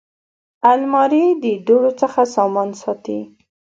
الماري د دوړو څخه سامان ساتي